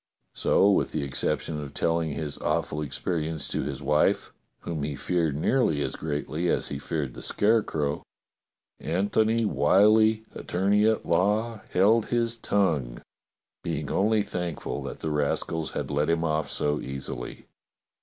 So with the exception of telling his awful experience to his wife, whom he feared nearly as greatly as he feared the Scare crow, Antony \Miyllie, attorney at law, held his tongue, being only thankful that the rascals had let him off so easily.